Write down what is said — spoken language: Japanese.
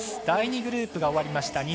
第２グループが終わりました。